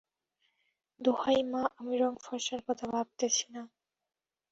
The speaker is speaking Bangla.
দোহাই মা, আমি রঙ ফর্সার কথা ভাবিতেছি না।